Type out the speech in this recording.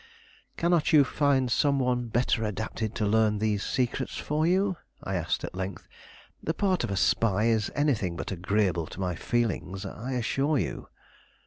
"Cannot you find some one better adapted to learn these secrets for you?" I asked at length. "The part of a spy is anything but agreeable to my feelings, I assure you."